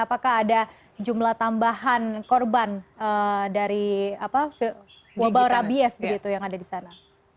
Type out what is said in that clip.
apakah ada jumlah tambahan korban dari mobile rabies yang ada di sana